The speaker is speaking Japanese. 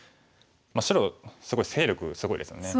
白勢力すごいですよね。